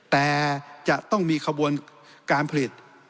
แต่จะต้องมีขบวนการผลิต